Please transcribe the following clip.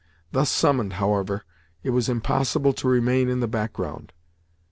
Thus summoned, however, it was impossible to remain in the back ground.